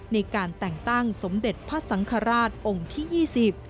ในการแต่งตั้งสมเด็จพระสังฆราชองค์ที่ยี่สิบ